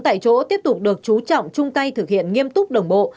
tại chỗ tiếp tục được chú trọng chung tay thực hiện nghiêm túc đồng bộ